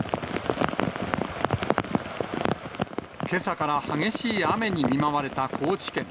けさから激しい雨に見舞われた高知県。